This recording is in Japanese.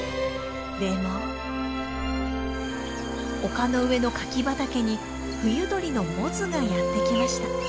でも丘の上の柿畑に冬鳥のモズがやって来ました。